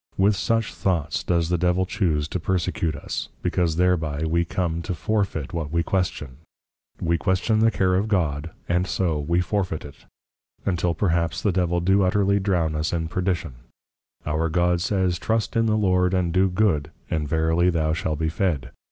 With such thoughts does the Devil choose to persecute us; because thereby we come to Forfeit what we Question. We Question the Care of God, and so we Forfeit it, until perhaps the Devil do utterly drown us in Perdition. Our God says, _Trust in the Lord, and do good, and verily thou shall be fed.